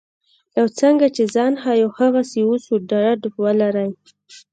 او څنګه چې ځان ښیو هغسې اوسو ډاډ ولرئ.